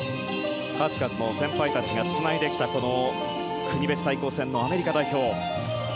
数々の先輩たちがつないできた国別対抗戦のアメリカ代表。